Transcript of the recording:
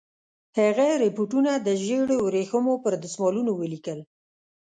هغه رپوټونه د ژړو ورېښمو پر دسمالونو ولیکل.